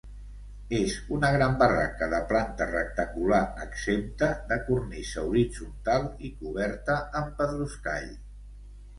És una gran barraca de planta rectangular, exempta, de cornisa horitzontal i coberta amb pedruscall.